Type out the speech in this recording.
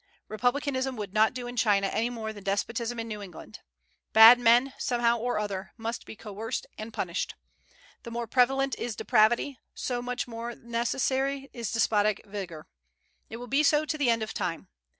Republicanism would not do in China, any more than despotism in New England. Bad men, somehow or other, must be coerced and punished. The more prevalent is depravity, so much the more necessary is despotic vigor: it will be so to the end of time.